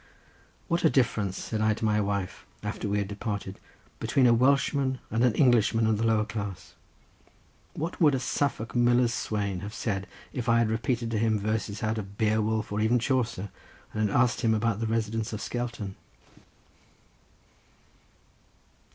"What a difference," said I to my wife, after we had departed, "between a Welshman and an Englishman of the lower class. What would a Suffolk miller's swain have said if I had repeated to him verses out of Beowulf or even Chaucer, and had asked him about the residence of Skelton?"